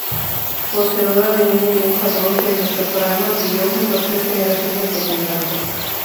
Poseedora de una inmensa voz de mezzosoprano, brilló junto a tres generaciones de cantantes.